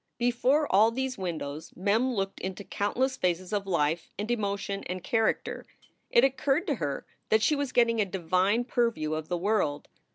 Before all these windows Mem looked into countless phases of life and emotion and character. It occurred to her that she was getting a divine purview of the world.